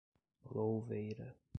Louveira